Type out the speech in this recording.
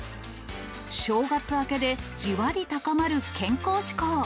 正月明けで、じわり高まる健康志向。